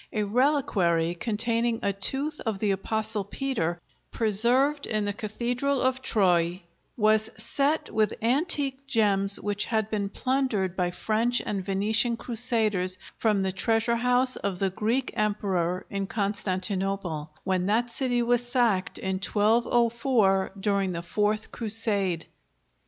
A reliquary containing a tooth of the Apostle Peter, preserved in the Cathedral of Troyes, was set with antique gems which had been plundered by French and Venetian crusaders from the treasure house of the Greek Emperor in Constantinople, when that city was sacked in 1204 during the Fourth Crusade.